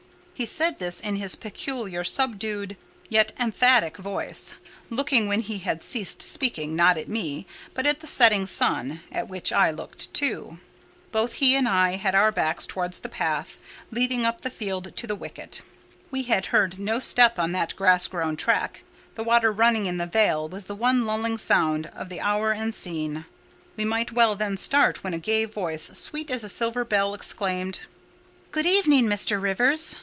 He said this, in his peculiar, subdued, yet emphatic voice; looking, when he had ceased speaking, not at me, but at the setting sun, at which I looked too. Both he and I had our backs towards the path leading up the field to the wicket. We had heard no step on that grass grown track; the water running in the vale was the one lulling sound of the hour and scene; we might well then start when a gay voice, sweet as a silver bell, exclaimed— "Good evening, Mr. Rivers.